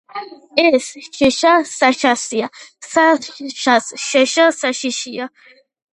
ეს შეშა საშასია, საშას შეშა საშიშია.